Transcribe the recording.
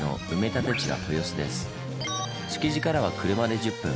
築地からは車で１０分。